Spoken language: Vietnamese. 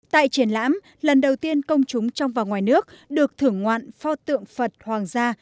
tại triển lãm lần đầu tiên công chúng trong và ngoài nước được thưởng ngoạn pho tượng phật hoàng gia